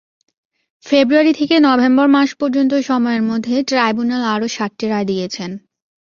ফেব্রুয়ারি থেকে নভেম্বর মাস পর্যন্ত সময়ের মধ্যে ট্রাইব্যুনাল আরও সাতটি রায় দিয়েছেন।